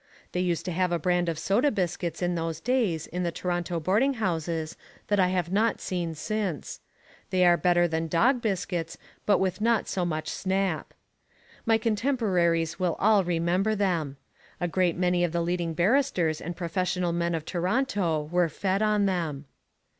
They used to have a brand of soda biscuits in those days in the Toronto boarding houses that I have not seen since. They were better than dog biscuits but with not so much snap. My contemporaries will all remember them. A great many of the leading barristers and professional men of Toronto were fed on them.